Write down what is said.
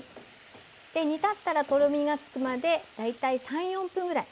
煮立ったらとろみがつくまで大体３４分ぐらい。